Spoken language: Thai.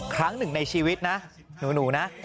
ครั้งหนึ่งในชีวิตนะหนูนะ